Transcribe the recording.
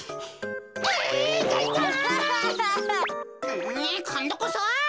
うんこんどこそ！